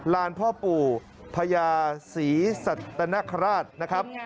ลานพ่อปู่พญาศรีสัตนคราชนะครับ